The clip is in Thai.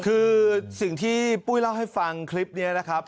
คือสิ่งที่ปุ้ยเล่าให้ฟังคลิปนี้นะครับ